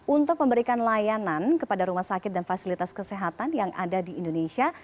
untuk memberikan layanan kepada rumah sakit dan fasilitas kesehatan yang ada di indonesia